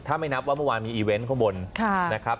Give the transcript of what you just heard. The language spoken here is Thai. ถ้าไม่นับว่าเมื่อวานมีอีเวนต์ข้างบนนะครับ